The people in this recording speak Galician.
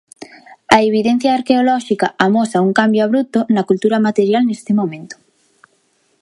A evidencia arqueolóxica amosa un cambio abrupto na cultura material neste momento.